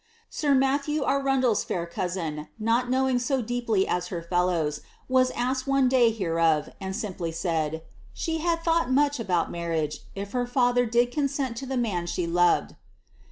itthew Arundel's fair cousin, not knowing so deeply as her If asked one day hereof, and simply said, ^ she had thought It marriage, if her father did consent to the man she loved.'